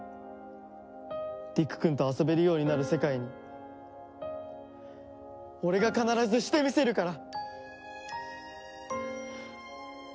理玖くんと遊べるようになる世界に俺が必ずしてみせるから！